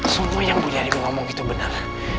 semua yang bu dewi ngomong itu benar